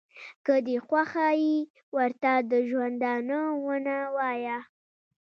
که دې خوښه ي ورته د ژوندانه ونه وایه.